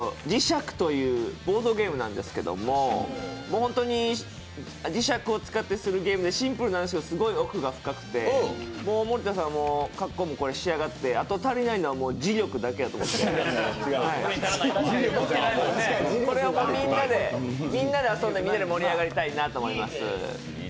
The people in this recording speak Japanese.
プレゼントといいますか、侍石というボードゲームなんですけど、侍石を使ってやるゲームでシンプルなんですけど奥が深くって、森田さんも格好も仕上がって、あと足りないのは磁力だけだと思うのでこれ、みんなで遊んでみんなで盛り上がりたいなと思います。